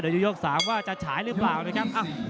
เดี๋ยวดูยก๓ว่าจะฉายหรือเปล่านะครับ